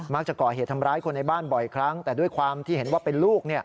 จะก่อเหตุทำร้ายคนในบ้านบ่อยครั้งแต่ด้วยความที่เห็นว่าเป็นลูก